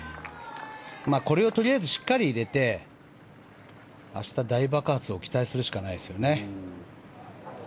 これをとりあえずしっかり入れて明日、大爆発を期待するしかないですよね。